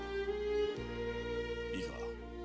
いいか？